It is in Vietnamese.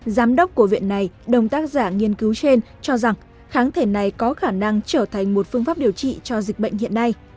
giám đốc của viện này đồng tác giả nghiên cứu trên cho rằng kháng thể này có khả năng trở thành một phương pháp điều trị cho dịch bệnh hiện nay